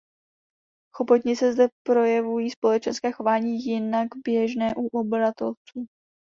Chobotnice zde projevují společenské chování jinak běžné u obratlovců.